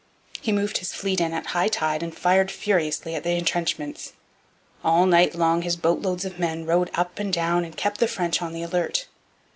He moved his fleet in at high tide and fired furiously at the entrenchments. All night long his boatloads of men rowed up and down and kept the French on the alert.